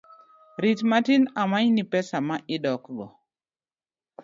Rit matin amany ni pesa ma idok go